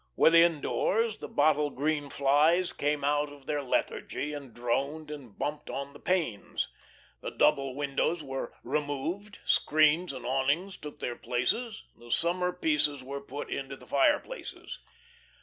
Within doors the bottle green flies came out of their lethargy and droned and bumped on the panes. The double windows were removed, screens and awnings took their places; the summer pieces were put into the fireplaces.